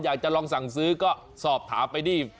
อยากจะลองสั่งซื้อก็สอบถามไปที่